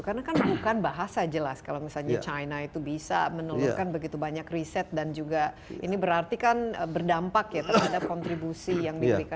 karena kan bukan bahasa jelas kalau misalnya china itu bisa menelurkan begitu banyak riset dan juga ini berarti kan berdampak ya terhadap kontribusi yang diberikan